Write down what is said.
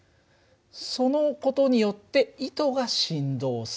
その事によって糸が振動する。